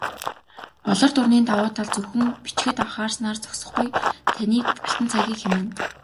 "Болор дуран"-ийн давуу тал зөвхөн зөв бичихэд анхаарснаар зогсохгүй, таны алтан цагийг хэмнэнэ.